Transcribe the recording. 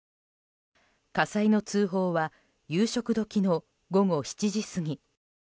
火災の通報は夕食時の午後７時過ぎ。